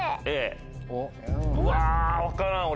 うわぁ分からん俺も。